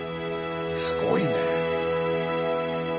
すごいねえ。